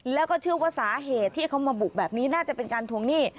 แล้วก็เชื่อว่าสาเหตุที่เขามาบุกแบบนี้น่าจะเป็นการทวงหนี้